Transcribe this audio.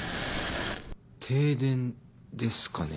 停電ですかね。